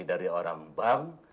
dari orang bank